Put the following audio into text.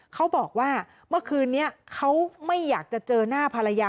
เขาบอกว่าเมื่อคืนนี้เขาไม่อยากจะเจอหน้าภรรยา